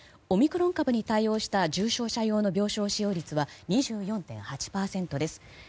オミクロン株に対応した重症者用の病床使用率は２４．８％です。